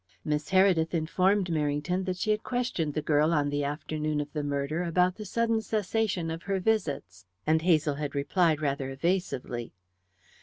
Miss Heredith informed Merrington that she had questioned the girl on the afternoon of the murder about the sudden cessation of her visits, and Hazel had replied rather evasively.